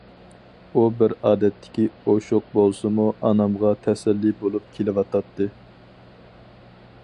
ئۇ بىر ئادەتتىكى ئوشۇق بولسىمۇ ئانامغا تەسەللى بولۇپ كېلىۋاتاتتى.